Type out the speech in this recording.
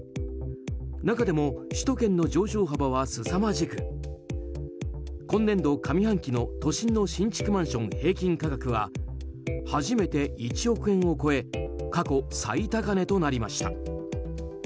中でも首都圏の上昇幅はすさまじく今年度上半期の都心の新築マンション平均価格は初めて１億円を超え過去最高値となりました。